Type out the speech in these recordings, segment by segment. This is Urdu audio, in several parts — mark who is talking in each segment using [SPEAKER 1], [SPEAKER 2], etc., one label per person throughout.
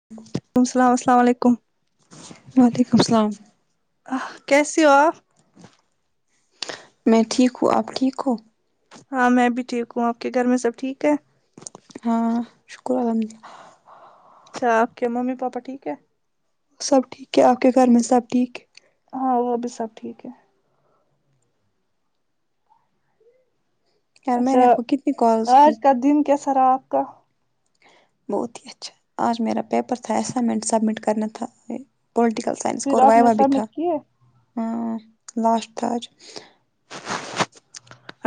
[SPEAKER 1] [inaudible]
[SPEAKER 2] السلام السلام علیکم
[SPEAKER 1] وعلیکم السلام
[SPEAKER 2] اہ کیسی ہو آپ
[SPEAKER 1] میں ٹھیک ہوں آپ ٹھیک ہو
[SPEAKER 2] ہاں میں بھی ٹھیک ہوں آپ کے گھر میں سب ٹھیک ہے
[SPEAKER 1] ہاں شکر الحمد الله
[SPEAKER 2] اچھا آپ کے ممی پاپا ٹھیک ہے
[SPEAKER 1] سب ٹھیک ہے آپ کے گھر میں سب ٹھیک ہے
[SPEAKER 2] ہاں وہ بھی سب ٹھیک ہے
[SPEAKER 1] یار میں
[SPEAKER 2] اچھا
[SPEAKER 1] نے آپ کو کتنی کالز
[SPEAKER 2] آج
[SPEAKER 1] کی
[SPEAKER 2] کا دن کیسا رہا آپ کا
[SPEAKER 1] بہت ہی اچھا آج میرا پیپر تھا اسائنمنٹ سبمٹ کرنا تھا پولٹیکل سائنس
[SPEAKER 2] پھر
[SPEAKER 1] کور
[SPEAKER 2] آپ
[SPEAKER 1] وائی
[SPEAKER 2] نے
[SPEAKER 1] وا بھی تھا
[SPEAKER 2] سبمٹ کیے
[SPEAKER 1] ہاں لاسٹ تھا آج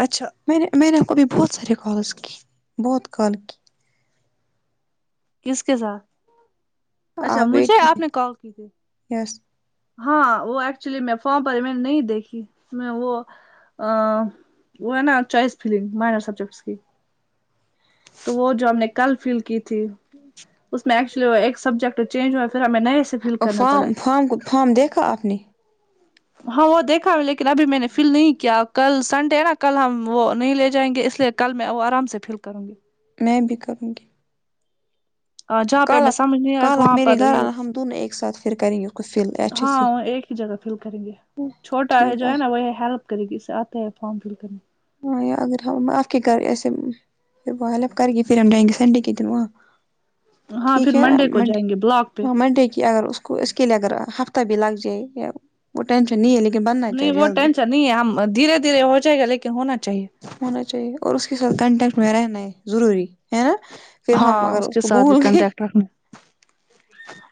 [SPEAKER 2] اچھا
[SPEAKER 1] میں نے میں نے آپ کوبھی بہت سارے کالز کی بہت کال کی
[SPEAKER 2] کس کے ساتھ اچھا مجھے
[SPEAKER 1] ویٹنگ
[SPEAKER 2] آپ نے
[SPEAKER 1] میں
[SPEAKER 2] کال کی تھی
[SPEAKER 1] یس
[SPEAKER 2] ہاں وہ ایکچولی میں فام پر میں نے نہیں دیکھی میں وہ و این آ وہ ہے نہ چوائس فیلنگ مائنر سبجیکٹس کی تو وہ جو ہم نے کل فل کی تھی اس میں ایکچلی ایک سبجیکٹ چینج ہوئے پھر ہمیں نئے فل
[SPEAKER 1] اور
[SPEAKER 2] کرنا
[SPEAKER 1] فام
[SPEAKER 2] پڑا
[SPEAKER 1] فام کو فام دیکھا آپ نے
[SPEAKER 2] ہاں وہ دیکھا لیکن ابھی میں نے فل نہیں کیا کل سنڈے نا کل ہم وہ نہیں لے جائیں گے اس لیے کل میں وہ آرام سے فل کروں گی
[SPEAKER 1] میں بھی کروں گی
[SPEAKER 2] ہ جہاں پہ
[SPEAKER 1] کل
[SPEAKER 2] ہمیں
[SPEAKER 1] آپ
[SPEAKER 2] سمجھ نہیں آئے گا
[SPEAKER 1] کل آپ
[SPEAKER 2] وہاں
[SPEAKER 1] میرے
[SPEAKER 2] پر
[SPEAKER 1] گھر
[SPEAKER 2] یہ
[SPEAKER 1] آنا ہم دونوں ایک ساتھ پھر کریں گے اس کو فل اچھے سے
[SPEAKER 2] ہاں ایک جگہ فل کریں گے چھوٹا ہے جو ہے نا وہ ہیلپ کرے گی اس سے آتے فارم فل کرنے
[SPEAKER 1] ہاں یار اگر ہم آپ کی کر ایسے میں پھر وہ ہیلپ کر کے پھر ہم ڈیں گے سنڈے کے دن واں
[SPEAKER 2] ہاں
[SPEAKER 1] ٹھیک
[SPEAKER 2] پھر
[SPEAKER 1] ہے
[SPEAKER 2] کو
[SPEAKER 1] منڈے
[SPEAKER 2] جائیں گے بلاک پہ
[SPEAKER 1] ہاں منڈے کی اگر اس اس کے لیے اگر ہفتہ بھی لگے جائے وہ ٹینشن نیے لیکن بننا
[SPEAKER 2] نہیں
[SPEAKER 1] چاہے
[SPEAKER 2] وہ
[SPEAKER 1] جلدی
[SPEAKER 2] ٹینشن نہیں ہم دھیرے دھیرے ہو جائے گا لیکن ہونا چاہیے
[SPEAKER 1] ہونا چاہیے اور اس کے ساتھ کانٹیکٹ میں رہنا ہے ضروری ہے نا پھر ہم
[SPEAKER 2] ہاں
[SPEAKER 1] اگر
[SPEAKER 2] اس کے
[SPEAKER 1] کو
[SPEAKER 2] ساتھ بھی
[SPEAKER 1] بھول گئے
[SPEAKER 2] کنٹیکٹ رکھنا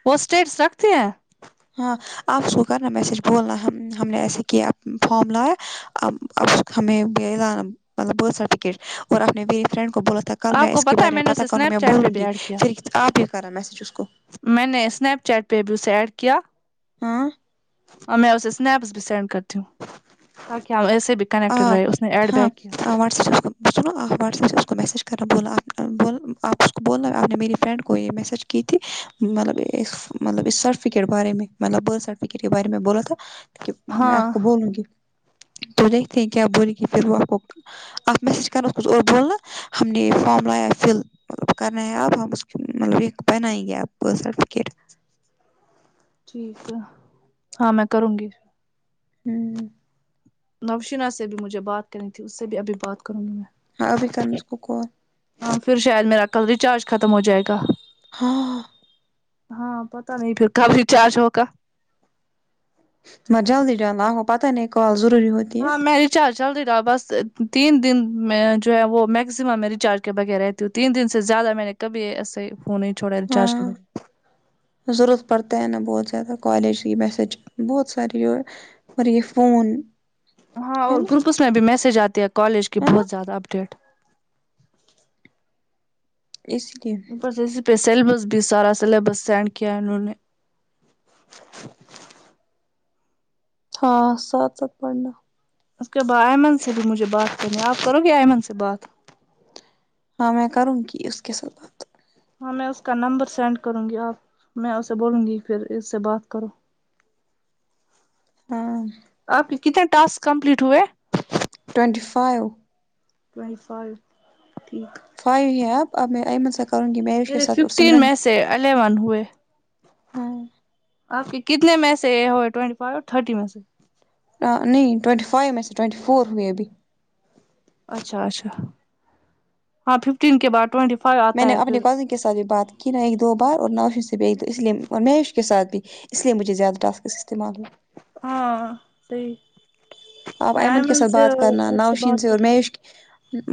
[SPEAKER 2] وہ اسٹیٹس رکھتے ہیں
[SPEAKER 1] ہاں آپ اس کو کرنا میسج بولنا ہم نے ایسے کیا فارم لایا ب اب ہمیں بھی مطلب برتھ سرٹیفکیٹ اور آپ نے میری فرینڈ کو بولا تھا کل
[SPEAKER 2] آپ
[SPEAKER 1] میں
[SPEAKER 2] کو
[SPEAKER 1] اس کے
[SPEAKER 2] ہے
[SPEAKER 1] بارے میں
[SPEAKER 2] نے اسے
[SPEAKER 1] پتا کر نا
[SPEAKER 2] اسنیپ
[SPEAKER 1] میں
[SPEAKER 2] چیٹ پہ بھی
[SPEAKER 1] بولونگ
[SPEAKER 2] ایڈ کیا
[SPEAKER 1] پھر آپ یہ کرا میسیج اس کو
[SPEAKER 2] میں نے اسنیپ چیٹ پہ بھی اسے ایڈ کیا
[SPEAKER 1] ہاں
[SPEAKER 2] اور میں اسے اسنیپس بھی سینڈ کرتی ہوں تاکہ ہم ایسے بھی
[SPEAKER 1] آ
[SPEAKER 2] کنیکٹڈ رہے اس نے ایڈ
[SPEAKER 1] ہاں
[SPEAKER 2] بیک کیا
[SPEAKER 1] وپ ب سنو آپ واٹسپ سے اس کو میسیج کرنا بولنا ب آپ اس کو بولنا آپ نے میری فرینڈ کو یہ میسیج کی تھی مطلب مطلب اس سرٹیفکیٹ بارے میں مطلب برتھ سرٹیفکیٹ کے بارے میں بولا تھا کہ میں آپ
[SPEAKER 2] ہاں
[SPEAKER 1] کو بولوں گی تو دیکھتے ہیں کیا بولیں گی پھر وہ آپ کو آپ میسج کرنا اس کو اور بولنا ہم نے یہ فارام لایا فل ملب کر رہ ہیں آپ ہم اس مطلب ایک بنائیں گے آپ برتھ سرٹیفکیٹ
[SPEAKER 2] ٹھیک ہے ہاں میں کروں گی
[SPEAKER 1] ہوں
[SPEAKER 2] نوشناہ سے بھی مجھے بات کرنی تھی اس سے بھی ابھی بات کروں گی میں
[SPEAKER 1] ہاں ابھی کرنا اسکو کال
[SPEAKER 2] ہاں پھر شاید میرا کل ریچارج ختم ہو جائے گا
[SPEAKER 1] ہاں
[SPEAKER 2] ہاں پتا نہیں پھر کب ریچارج ہو گا
[SPEAKER 1] میں جلدی جانا آو پتہ نہیں کال ضروری ہو
[SPEAKER 2] ہاں مل چارج چل رہ رہا بس تین دن میں جو ہے وہ میکسمم میں ریچارج کے بغیر رہتے تو تین دن سے زیادہ میں نے کبھی ایسے فون نہیں چوڑا ریچارج کے
[SPEAKER 1] ہاں
[SPEAKER 2] بے
[SPEAKER 1] ضرورت پڑتا ہے نہ بہت زیادہ کالج کی میسج بہت ساری اور یہ فون
[SPEAKER 2] ہاں
[SPEAKER 1] ہے
[SPEAKER 2] اور
[SPEAKER 1] نا
[SPEAKER 2] گروپس میں بھی میسج آتی ہے کالج کی
[SPEAKER 1] ہے نا
[SPEAKER 2] بہت زیادہ اپ ڈیٹ
[SPEAKER 1] اس لیے
[SPEAKER 2] ی پہ سیبس [unintelligible] بھی سارا سلیبس سینڈ کیا انہوں نے
[SPEAKER 1] ہاں ساتھ ساتھ پڑھنا
[SPEAKER 2] اس کے بعد ایمن سے بھی مجھے بات کرنی ہے آپ کرو گے ایئمن سے بات
[SPEAKER 1] ہاں میں کروں گی اس کے ساتھ بات
[SPEAKER 2] ہاں میں اس کا نمبر سینڈ کروں گی آپ میں اسے بولوں گی پھر اس سے بات کرو
[SPEAKER 1] ہاں
[SPEAKER 2] آپ کتنے ٹاسک کمپلیٹ ہوئے
[SPEAKER 1] ٹونینٹی فائیو
[SPEAKER 2] ٹوینٹی فائیو ٹھیک
[SPEAKER 1] فائیو ہی اب میں ایمن س
[SPEAKER 2] میرے ففٹین میں سے الیون ہوئے
[SPEAKER 1] ہاں
[SPEAKER 2] آپ کی کتنے میں سے ہوئے ٹوینٹی فائیو تھرٹی میں سے
[SPEAKER 1] نہیں ٹوئینٹی فائیو میں سے ٹوئنٹی فور ہوئی ابھی
[SPEAKER 2] اچھا اچھا ہاں ففٹین کے بعد ٹوینٹی فائیو
[SPEAKER 1] میں
[SPEAKER 2] آتا
[SPEAKER 1] نے
[SPEAKER 2] ہے
[SPEAKER 1] اپنے
[SPEAKER 2] پھر
[SPEAKER 1] کزن کے ساتھ بھی بات کی نہ ایک دو بار اور نہ اشن سے بھی ایک دو اس لیے اور میوش کے ساتھ بھی اس لیے مجھے زیادہ ٹسکس استعمال ہو
[SPEAKER 2] ہاں صحیح
[SPEAKER 1] آپ
[SPEAKER 2] میں
[SPEAKER 1] ایمن کے
[SPEAKER 2] ایئمن
[SPEAKER 1] ساتھ
[SPEAKER 2] سے
[SPEAKER 1] بات
[SPEAKER 2] اور
[SPEAKER 1] کرنا
[SPEAKER 2] آپ
[SPEAKER 1] نوشین
[SPEAKER 2] بات
[SPEAKER 1] سے اور
[SPEAKER 2] کرتی
[SPEAKER 1] میش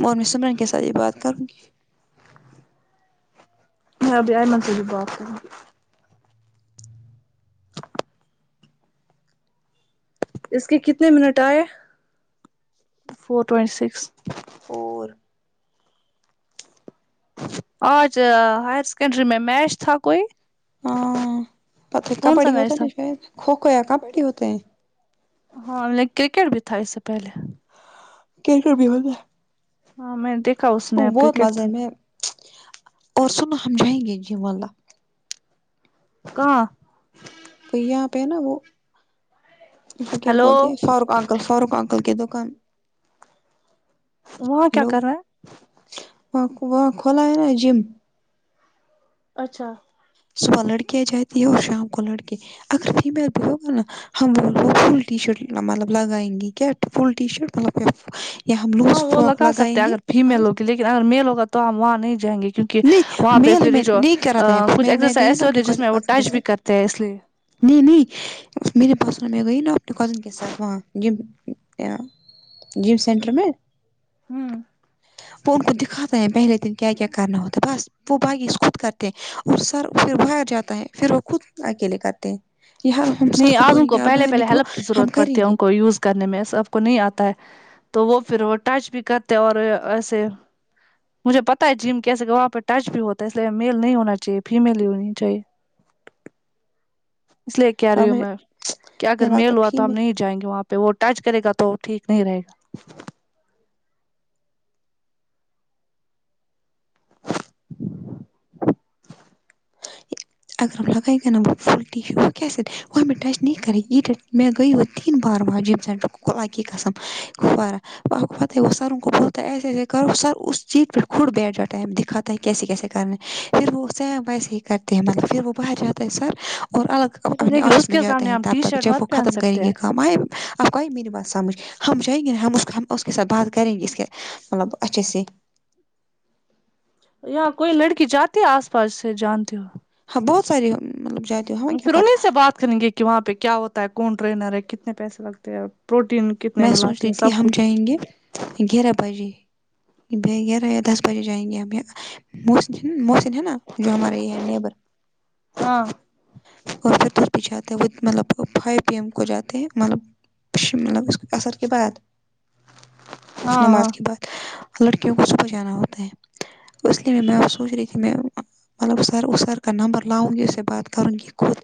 [SPEAKER 1] اور میں سمرن کے ساتھ ہی بات کروں گی
[SPEAKER 2] میں بھی ایمن سے بھی بات کروں گی اس کے کتنے منٹ آئے فور ٹوینٹی سکس
[SPEAKER 1] فور
[SPEAKER 2] آج ہائر سیکنڈری میں میچ تھا کوئی
[SPEAKER 1] ہاں پتا
[SPEAKER 2] کون سا
[SPEAKER 1] کبڈی ہوتا
[SPEAKER 2] میچ
[SPEAKER 1] ہے
[SPEAKER 2] تھا
[SPEAKER 1] نا شاید کھوکھو یا کبڈی ہوتے ہیں
[SPEAKER 2] ہاں لیکن کرکٹ بھی تھا اس سے پہلے
[SPEAKER 1] کرکٹ بھی ہو گیا
[SPEAKER 2] ہاں میں دیکھا اس نے آپ کرکٹ
[SPEAKER 1] مزہ ہے
[SPEAKER 2] تھا
[SPEAKER 1] میں اور سنو ہم جائیں گے جی مالا
[SPEAKER 2] کہاں
[SPEAKER 1] تو یہاں پہ ہے نا وہ اس کو کیا
[SPEAKER 2] ہیلو
[SPEAKER 1] بولتے ہیں فاروق انکل فاروق ا انکل کی دکان
[SPEAKER 2] وہاں کیا کر رہا ہیں
[SPEAKER 1] وہ وہاں کھولا ہے نا جم
[SPEAKER 2] اچھا
[SPEAKER 1] صبح لڑکیاں جاتی ہے اور شام کو لڑکے اگر فیمیل بھی ہوگا نا ہمول وہ فل ٹی شرٹ مطلب لگائیں گے کیا فل ٹی شرٹ مطلب یا ہم
[SPEAKER 2] ہاں
[SPEAKER 1] لوز
[SPEAKER 2] وہ
[SPEAKER 1] فراک
[SPEAKER 2] لگا
[SPEAKER 1] لگائیں
[SPEAKER 2] سکتے ہیں اگر
[SPEAKER 1] گے
[SPEAKER 2] فیمیل ہوی لیکن اگر میل ہوگا تو ہم وہاں نہیں جائیں گے کیونکہ کہ
[SPEAKER 1] نہیں
[SPEAKER 2] وہاں پہ
[SPEAKER 1] میل
[SPEAKER 2] پھر
[SPEAKER 1] ہمیں
[SPEAKER 2] جو
[SPEAKER 1] نہیں کرا تھا
[SPEAKER 2] کچھ
[SPEAKER 1] میں میں
[SPEAKER 2] ایکسرسائز
[SPEAKER 1] گئی نا
[SPEAKER 2] ایسے ہوتی
[SPEAKER 1] اپنے
[SPEAKER 2] ہے جس میں وہ
[SPEAKER 1] کزن کے
[SPEAKER 2] ٹچ بھی
[SPEAKER 1] ساتھ
[SPEAKER 2] کرتے ہیں اس لیے
[SPEAKER 1] نہیں نہیں میرے پاس میں گئی نا اپنے کزن کے ساتھ وہاں جم جم سینٹر میں
[SPEAKER 2] ہوں
[SPEAKER 1] وہ ان کو دکھاتا ہے پہلے دن کیا کیا کرنا ہوتا بس وہ باقی خود کرتے ہیں اور سر پھر باہر جاتا ہے پھر وہ خود اکیلے کرتے ہیں یار ہم سر
[SPEAKER 2] نہیں آج
[SPEAKER 1] بولیں
[SPEAKER 2] ان کو
[SPEAKER 1] گے یار
[SPEAKER 2] پہلے
[SPEAKER 1] باہر
[SPEAKER 2] پہلے
[SPEAKER 1] نکلو
[SPEAKER 2] ہیلپ کی
[SPEAKER 1] ہم
[SPEAKER 2] ضرورت
[SPEAKER 1] کریں
[SPEAKER 2] پڑتی ہے
[SPEAKER 1] گے
[SPEAKER 2] ان کو یوز کرنے میں سب کو نہیں آتا ہے تو وہ پھر وہ ٹچ بھی کرتے اور ایسے مجھے پتا ہے جم کیسے کہ وہاں پہ ٹچ بھی ہوتا ہے اس لیے میل نہیں ہونا چاہیے فیمیل ہی ہونی چاہیے اس لیے کہہ
[SPEAKER 1] اور
[SPEAKER 2] رہی ہوں
[SPEAKER 1] مجھے
[SPEAKER 2] میں کہ اگر
[SPEAKER 1] ملا
[SPEAKER 2] میل ہوا
[SPEAKER 1] فی
[SPEAKER 2] تو
[SPEAKER 1] میں
[SPEAKER 2] ہم نہیں جائیں گے وہاں پہ وہ ٹچ کرے گا تو ٹھیک نہیں رہے گا
[SPEAKER 1] اگر ہم لگائی گے نا ب وہ پھلٹی ہی کی س [unintelligible] کوئی بھی ٹچ نہیں کرینگے میں گئی وہ تین بار بار جیب سینٹر خدا کی قسم خورا وہ پتہ ہے وہ سر ان کو بولتا ہیں ایسے ایسے کرو سر اس چیت پھو بیٹ جا ٹائم دکھت کیسے کیسے کرنے پھر وہ سیم ویسے ہی کرتے ہیں مطلب پھر وہ باہر جاتا ہے سر اور الگ
[SPEAKER 2] اچھا
[SPEAKER 1] اپنے
[SPEAKER 2] لیکن
[SPEAKER 1] آفس
[SPEAKER 2] اس
[SPEAKER 1] میں
[SPEAKER 2] کے
[SPEAKER 1] جاتے
[SPEAKER 2] سامنے
[SPEAKER 1] ہیں
[SPEAKER 2] ہم
[SPEAKER 1] تب
[SPEAKER 2] ٹی
[SPEAKER 1] تک
[SPEAKER 2] شرٹ
[SPEAKER 1] جب وہ
[SPEAKER 2] مت پہن
[SPEAKER 1] ختم کریں
[SPEAKER 2] سکتے
[SPEAKER 1] گے
[SPEAKER 2] ہیں
[SPEAKER 1] کام آئے اب آئی میری بات سمجھ ہم چاہیں گے ہم اس کے ساتھ بات کریں گے اس کے مطلب اچھے سے
[SPEAKER 2] یہاں کوئی لڑکی جاتی ہے آس پاس سے جانتی ہو
[SPEAKER 1] ہاں بہت ساری مطلب جات
[SPEAKER 2] پھر انہیں سے بات کریں گے کہ وہاں پہ کیا ہوتا ہے کون ٹرینر ہے کتنے پیسے لگتے ہیں اور پروٹین کتنے
[SPEAKER 1] میں سوچ
[SPEAKER 2] لاتے
[SPEAKER 1] رہی
[SPEAKER 2] ہیں
[SPEAKER 1] تھی
[SPEAKER 2] سب
[SPEAKER 1] ہم
[SPEAKER 2] کچھ
[SPEAKER 1] جائیں گے گیارہ بجے گیارہ یا دس بجے جائیں گے موسٹلی مسم یہ ہے نا جو ہمارے یہ نیبر
[SPEAKER 2] ہاں
[SPEAKER 1] اور پ بھی جاتے ہے وہ مطلب فائیو پی ایم کو جاتے ہے مطلب ملب اس [inaudible] عصر کے بعد
[SPEAKER 2] ہاں
[SPEAKER 1] نماز
[SPEAKER 2] ہاں
[SPEAKER 1] کے بعد لڑکیوں کو صبح جانا ہوتا ہے اس لیے میں سوچ رہی تھی میں مطلب سر اس سر کا نمبر لاؤں گی اس سے بات کروں گی خود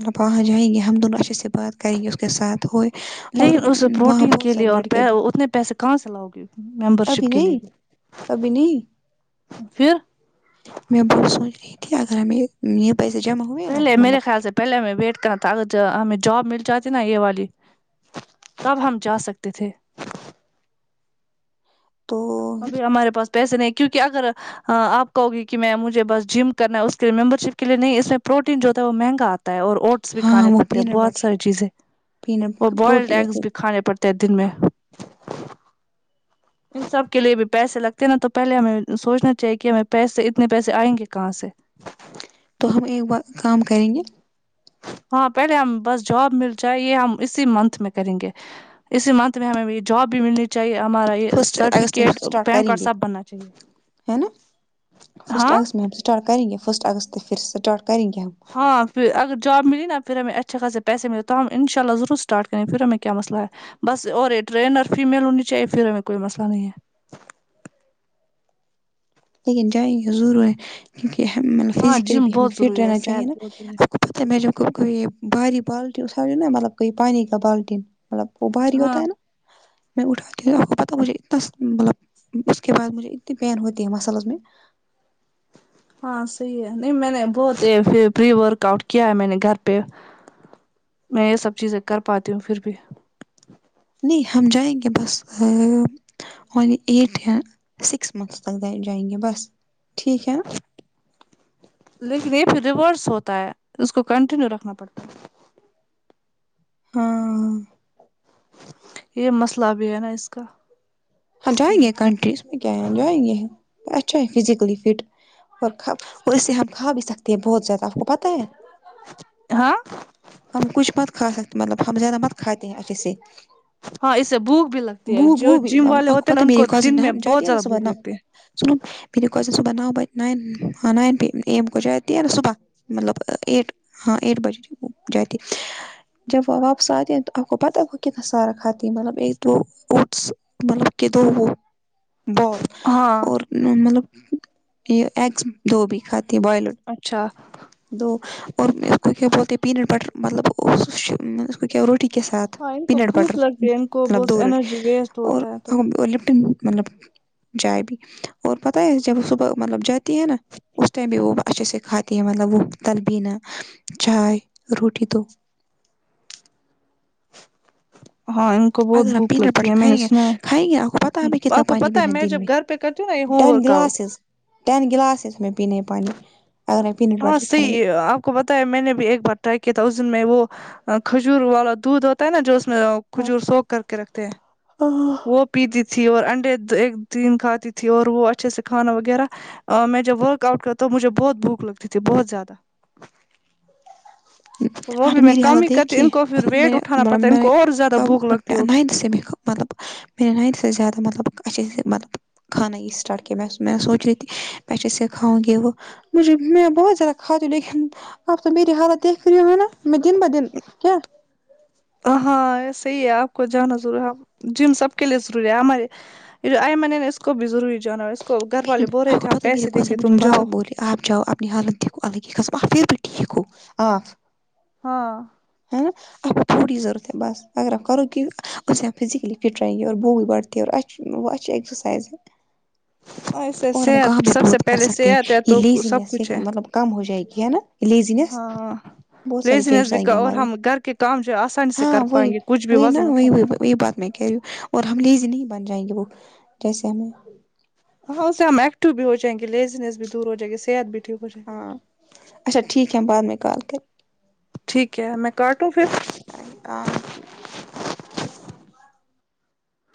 [SPEAKER 1] مطلب وہاں جائیں گے ہم دونوں اچھے سے بات کریں گے اس کے ساتھ ہوئے اور
[SPEAKER 2] نہیں اسے
[SPEAKER 1] وہاں
[SPEAKER 2] پروٹین
[SPEAKER 1] بہت
[SPEAKER 2] کے لیے
[SPEAKER 1] سارے
[SPEAKER 2] اور
[SPEAKER 1] لڑکے
[SPEAKER 2] پے
[SPEAKER 1] بھی
[SPEAKER 2] اتنے پیسے کہاں سے لاؤ گے تم ممبر شپ
[SPEAKER 1] ابھی
[SPEAKER 2] کے لیے
[SPEAKER 1] نہیں
[SPEAKER 2] بھی
[SPEAKER 1] ابھی نہیں
[SPEAKER 2] پھر
[SPEAKER 1] میں بہت سوچ رہی تھی اگر ہمیں نیت پیسے جمع ہو
[SPEAKER 2] پہلے میرے خیال سے پہلے ہمیں ویٹ کرنا تھا اگر ج ہمیں جاب مل جاتی نا یہ والی تب ہم جا سکتے تھے
[SPEAKER 1] تو
[SPEAKER 2] ابھی ہمارے پاس پیسے نہیں کیونکہ اگر ہاں آپ کہوگی کہ میں مجھے بس جم کرنا ہے اس کے لممبر شپ کے لیے نہیں اس میں پروٹین جو ہوتا ہے وہ مہنگا آتا اور اوٹس بھی
[SPEAKER 1] ہاں
[SPEAKER 2] کھانے
[SPEAKER 1] وہ
[SPEAKER 2] پڑتے ہیں
[SPEAKER 1] پینٹ
[SPEAKER 2] بہت
[SPEAKER 1] بٹر
[SPEAKER 2] ساری چیزیں اور
[SPEAKER 1] پینٹ
[SPEAKER 2] بوائلڈ
[SPEAKER 1] پروٹین
[SPEAKER 2] ایگس بھی کھانے پڑتے دو دن میں ان سب کے لیے بھی پیسے لگتے ہیں نا تو پہلے ہمیں سوچنا چاہیے کہ ہمیں پیسے اتنے پیسے آئیں گے کہاں سے
[SPEAKER 1] تو ہم ایک بار کام کریں گے
[SPEAKER 2] ہاں پہلے ہم بس جاب مل جائے یہ ہم اسی منتھ میں کریں گے اسی منتھ میں ہمیں بھی جاب بھی ملنی چاہیے ہمارا یہ
[SPEAKER 1] first August
[SPEAKER 2] certificate
[SPEAKER 1] start
[SPEAKER 2] PAN card
[SPEAKER 1] کریں گے
[SPEAKER 2] سب بننا چاہیے
[SPEAKER 1] ہے نا فرسٹ
[SPEAKER 2] ہاں
[SPEAKER 1] اگست میں ہم اسٹارٹ کریں گے فرسٹ اگست ت پھر اسٹارٹ کریں گے ہم
[SPEAKER 2] ہاں پھر اگر جاب ملی نہ پھر ہمیں اچھے خاصے پیسے مل تو ہم انشا اللہ ضرور اسٹارٹ کر پھر ہمیں کیا مسلہ ہے بس اور یہ ٹرینر فیمیل ہونی چاہیے پھر ہمیں کوئی مسئلہ نہیں ہے
[SPEAKER 1] لیکن جائیں گے ضرور کیونکہ ہمیں
[SPEAKER 2] ہے ہاں
[SPEAKER 1] فیزکلی
[SPEAKER 2] جم
[SPEAKER 1] بھی ہمیں
[SPEAKER 2] بہت
[SPEAKER 1] فٹ
[SPEAKER 2] ضروری ہے
[SPEAKER 1] رہنا چاہی
[SPEAKER 2] صحت بہت ضروری
[SPEAKER 1] نہ
[SPEAKER 2] ہے
[SPEAKER 1] پتہ میں جو کام کری بھاری بالٹی اٹھاری نہ مطلب کوئی پانی کا بالٹی مطلب وہ بھاری ہوتا
[SPEAKER 2] ہاں
[SPEAKER 1] ہے نا میں اٹھاتی ہوں آپ کو پتا مجھے اتنا سوکوں ملا اس کے بعد مجھے اتنی پین ہوئی دی مصالز میں
[SPEAKER 2] ہاں صحیح ہے نہیں میں نے بہت ایف پری ورک آؤٹ کیا ہے میں نے گھر پہ میں یہ سب چیزیں کر پاتی ہوں پھر بھی
[SPEAKER 1] نہیں ہم جائیں گے بس ہم ٹوئنٹی ایٹ ہے سکس منتھس تک جا جائیں گے بس ٹھیک ہے
[SPEAKER 2] لیکن یہ پھر ریورس ہوتا ہے اس کو کنٹینیو رکھنا پڑتا ہے
[SPEAKER 1] ہاں
[SPEAKER 2] یہ مسئلہ بھی ہے نا اس کا
[SPEAKER 1] ہاں جائیں گے کنٹریز میں کیا ہے جائیں گے اچھا ہے فیزکلی فٹ اور کھا اور اسے ہم کھا بھی سکتے ہیں بہت زیادہ آپ کو پتہ ہے
[SPEAKER 2] ہاں
[SPEAKER 1] ہم کچھ مت کھا سکتے مطلب ہم زیادہ مت کھاتے ہیں اچھے سے
[SPEAKER 2] ہاں اس سے بھوک بھی لگتی
[SPEAKER 1] بو
[SPEAKER 2] ہے
[SPEAKER 1] بو
[SPEAKER 2] جو
[SPEAKER 1] بھی
[SPEAKER 2] جم والے
[SPEAKER 1] آپ کو
[SPEAKER 2] ہوتے ہیں
[SPEAKER 1] پتا
[SPEAKER 2] نا ان
[SPEAKER 1] میری کزن
[SPEAKER 2] دن
[SPEAKER 1] ہے
[SPEAKER 2] میں
[SPEAKER 1] جاتی
[SPEAKER 2] بہت
[SPEAKER 1] ہے نا
[SPEAKER 2] زیادہ
[SPEAKER 1] صبح
[SPEAKER 2] بھوک
[SPEAKER 1] نؤ
[SPEAKER 2] لگتی ہے
[SPEAKER 1] سنو میری کزن صبح نو ب نائن ہاں nine P M A M کو جاتی ہے نہ صبح مطلب ایٹ ہاں ایٹ بجے وہ جاتی جب وہ واپس آرہی ہے تو آپ ک پتہ ہے وہ کتنا سارا کھاتی ہے مطلب ایک دو اوٹس مطلب کہ دو وہ بال
[SPEAKER 2] ہاں
[SPEAKER 1] اور مطلب یہ اگس دو بھی کھاتی ہے بائلڈ
[SPEAKER 2] اچھا
[SPEAKER 1] دو اور اس کو کیا بولتے پینٹ بٹر مطلب اس کو کیا روٹی کے ساتھ
[SPEAKER 2] ہاں ان کو
[SPEAKER 1] پینٹ بٹر
[SPEAKER 2] بھوک لگتی ہے ان کو
[SPEAKER 1] مطلب
[SPEAKER 2] بہت
[SPEAKER 1] دو روٹی
[SPEAKER 2] انرجی ویسٹ
[SPEAKER 1] اور
[SPEAKER 2] ہوتا ہے تو
[SPEAKER 1] لپٹن مطلب جائے بھی اور پتہ ہے جب صبح مطلب جاتی ہے نا اس ٹائم بھی وہ اچھے سے کھاتی ہیں مطلب وہ تلبینا چائے روٹی دو
[SPEAKER 2] ہاں ان کو بہت
[SPEAKER 1] اگر ہم
[SPEAKER 2] بھوک
[SPEAKER 1] پینٹ
[SPEAKER 2] لگتی
[SPEAKER 1] بٹر
[SPEAKER 2] ہے میں نے
[SPEAKER 1] کھائیں گے
[SPEAKER 2] سنا
[SPEAKER 1] کھائیں گے آپ کو پتہ
[SPEAKER 2] ہے
[SPEAKER 1] ہمیں کتنا
[SPEAKER 2] آپ کو
[SPEAKER 1] پانی
[SPEAKER 2] پتا ہے
[SPEAKER 1] پینا
[SPEAKER 2] میں
[SPEAKER 1] دن
[SPEAKER 2] جب گھر پہ کرتی ہوں نا home
[SPEAKER 1] ten
[SPEAKER 2] workout
[SPEAKER 1] glasses ten glasses میں پینے ہے پانی اگر میں پینٹ
[SPEAKER 2] ہاں
[SPEAKER 1] بٹر کھانے
[SPEAKER 2] صحیح آپ آپ کو بتا ہے میں نے بھی ایک بار ٹرائی کیا تھا اس دن میں وہ کھجور والا دودھ ہوتا ہے نا جو اس میں کھجور سوک کر کے رکھتے ہیں وہ پیتی تھی اور انڈے ایک دن کھاتی تھی اور وہ اچھے سے کھانا وغیرہ میں جب ورک آؤٹ کرتا ہوں مجھے بہت بھوک لگتی تھی بہت زیادہ وہ
[SPEAKER 1] اور
[SPEAKER 2] بھی میں
[SPEAKER 1] میری
[SPEAKER 2] کم
[SPEAKER 1] حالت
[SPEAKER 2] ہی کرتی
[SPEAKER 1] دیکھیے
[SPEAKER 2] ان کو پھر
[SPEAKER 1] میں
[SPEAKER 2] ویٹ
[SPEAKER 1] نے
[SPEAKER 2] اٹھانا پڑتا ہے ان کو اور زیادہ بھوک لگتی
[SPEAKER 1] [unintelligible]
[SPEAKER 2] ہوگی
[SPEAKER 1] نینتھ سے مطلب میں نے نائن زیادہ مطلب کسی سے مطلب کھانا یہ اسٹاٹ کی میں میں سوچ رہی تھی میں جیسے یہ کھاونگی وہ مجھے میں بہت زیادہ کھاتی ہوں لیکن اب تو میری حالت دیکھ رہی ہو نا میں دن با دن کیا
[SPEAKER 2] ہاں صحیح ہے آپ کو جانا ضروری ہے جم سب کے لیے ضروری ہے ہمارے آئمن ہے نا اس کو بھی ضروری جانا اس کو گھر والے بول رہے
[SPEAKER 1] آپ کو
[SPEAKER 2] تھے ہم
[SPEAKER 1] پتہ ہے میرے
[SPEAKER 2] پیسے
[SPEAKER 1] کو
[SPEAKER 2] دیں گے
[SPEAKER 1] مجھے
[SPEAKER 2] تم
[SPEAKER 1] بار بار
[SPEAKER 2] جاؤ
[SPEAKER 1] بولے آپ جاؤ اپنی حالت دیکھو اللہ کی قسم آپ پھر بھی ٹھیک ہو ہاں
[SPEAKER 2] ہاں
[SPEAKER 1] ہے نا اب تھوڑی ضرورت ہے بس اگر آپ کروگی اس سے آپ فزیکل ہی فٹ رہیں گی اور بھوک بڑھتی ہے وہ اچھی اگزرسائز ہے
[SPEAKER 2] ایسے
[SPEAKER 1] اور ہم
[SPEAKER 2] صحت
[SPEAKER 1] کام بھی
[SPEAKER 2] سب سے
[SPEAKER 1] بہت کر
[SPEAKER 2] پہلے
[SPEAKER 1] سکتے ہیں
[SPEAKER 2] صحت ہے
[SPEAKER 1] یہ
[SPEAKER 2] تو سب
[SPEAKER 1] لیزینس سے
[SPEAKER 2] کچھ ہے
[SPEAKER 1] مطلب کم ہو جائے گی ہے نا یہ لیزینس
[SPEAKER 2] ہاں
[SPEAKER 1] بہت سارے
[SPEAKER 2] لیزینس
[SPEAKER 1] چینجز
[SPEAKER 2] بھی
[SPEAKER 1] آئیں گے
[SPEAKER 2] اور
[SPEAKER 1] ہمارے
[SPEAKER 2] ہم
[SPEAKER 1] میں،
[SPEAKER 2] گھر کے کام جو آسانی سے کر
[SPEAKER 1] ہاں
[SPEAKER 2] پائیں
[SPEAKER 1] وہی
[SPEAKER 2] گے کچھ بھی
[SPEAKER 1] وہی نا
[SPEAKER 2] وزن
[SPEAKER 1] وہی
[SPEAKER 2] اٹھانا
[SPEAKER 1] وہی بات میں کہ رہی ہوں اور ہم لیزی نہیں بن جائیں گے وہ جیسے ہمیں
[SPEAKER 2] ہاں اس سے ہم ایکٹو بھی ہو جاے گے لیزیینس بھی دور ہو جائے گی صحت بھی ٹھیک ہو جائے گا
[SPEAKER 1] ہاں اچھا ٹھیک ہے ہم بعد میں کال کر
[SPEAKER 2] ٹھیک ہے میں کاٹوں پھر
[SPEAKER 1] [unintelligible]